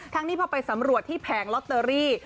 นี้พอไปสำรวจที่แผงลอตเตอรี่